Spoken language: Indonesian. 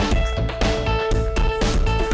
siapa yang britris hatinya yah